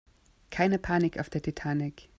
Keine Panik auf der Titanic!